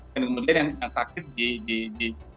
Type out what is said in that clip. kemudian yang sakit di